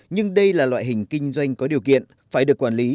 nhưng đây là loại hình kinh doanh có điều kiện phải được quản lý